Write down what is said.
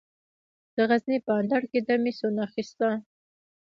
د غزني په اندړ کې د مسو نښې شته.